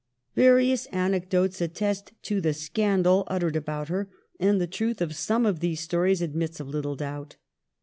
Various anecdotes attest to the scandal uttered about her, and the truth of some of these stories admits of little doubt.